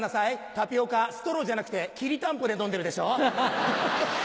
タピオカストローじゃなくてきりたんぽで飲んでるでしょ？